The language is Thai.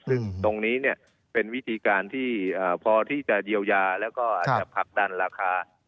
ซึ่งตรงนี้เป็นวิธีการที่พอที่จะเยียวยาแล้วก็อาจจะผลักดันราคา